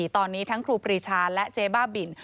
ตอนนี้ทั้งครูปรีชาและเจ๊บ้าบิน